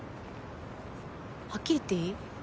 はっきり言っていい？